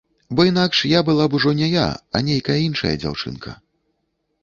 Бо інакш я была б ўжо не я, а нейкая іншая дзяўчынка.